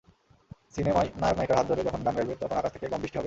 সিনেমায় নায়ক-নায়িকার হাত ধরে যখন গান গাইবে, তখন আকাশ থেকে গমবৃষ্টি হবে।